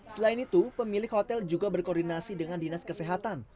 selain itu pemilik hotel juga berkoordinasi dengan dinas kesehatan